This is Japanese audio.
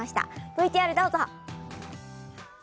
ＶＴＲどうぞ！